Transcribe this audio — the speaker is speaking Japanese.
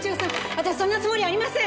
私そんなつもりありません！